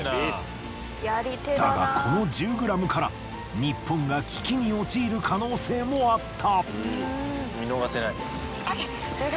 だがこの１０ｇから日本が危機に陥る可能性もあった。